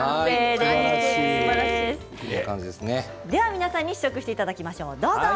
皆さんに試食していただきます。